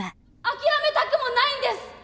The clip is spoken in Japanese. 諦めたくもないんです！